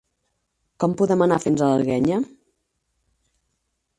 Com podem anar fins a l'Alguenya?